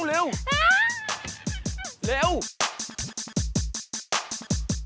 ก็จึงเข้าเรียน